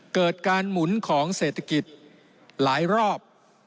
เกิดการหมุนของเศรษฐกิจหลายรอบ